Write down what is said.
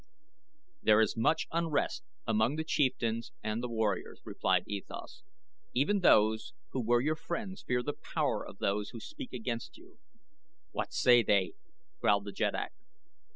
"There is much unrest among the chieftains and the warriors," replied E Thas. "Even those who were your friends fear the power of those who speak against you." "What say they?" growled the jeddak.